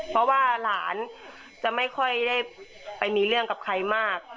เพราะว่าหลานจะไม่ค่อยได้ไปมีเรื่องกับใครมาก